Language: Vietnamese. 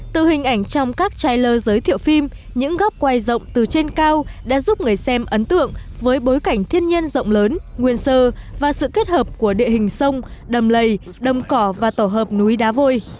từ hình ảnh trong các trailer giới thiệu phim những góc quay rộng từ trên cao đã giúp người xem ấn tượng với bối cảnh thiên nhiên rộng lớn nguyên sơ và sự kết hợp của địa hình sông đầm lầy đầm cỏ và tổ hợp núi đá vôi